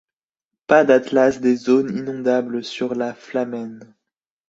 Pas d'atlas des zones inondables sur la Flamene.